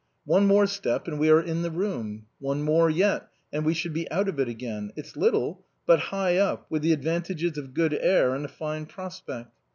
One more step, and we are in the room ; one more yet, and we should be out of it again. It's little, but high up, with the advantages of good air and a fine prospect.